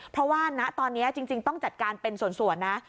เพราะว่าณตอนนี้จริงต้องจัดการเป็นส่วนนะ